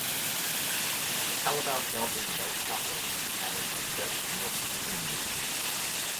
Callebaut Belgian white chocolate is added to fresh milked cream.